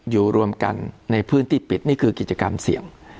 อยู่รวมกันในพื้นที่ปิดนี่คือกิจกรรมเสี่ยง